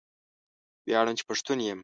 ویاړم چې پښتون یم